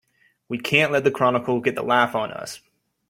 We can't let the Chronicle get the laugh on us!